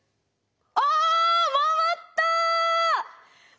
あっ回った！